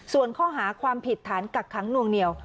ส่วนข้อหาความผิดฐานกักขังนวงเหนียว